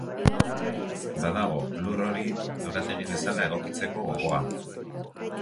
Badago, lur hori, lorategi bezala egokitzeko gogoa.